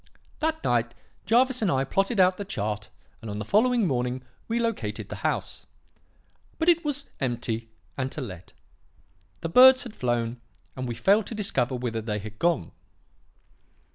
That night, Jervis and I plotted out the chart, and on the following morning we located the house. But it was empty and to let. The birds had flown, and we failed to discover whither they had gone.